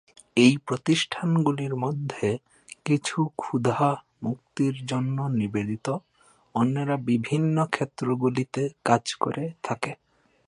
এই প্রতিষ্ঠানগুলির মধ্যে কিছু ক্ষুধা মুক্তির জন্য নিবেদিত, অন্যেরা বিভিন্ন ক্ষেত্রগুলিতে কাজ করে থাকে।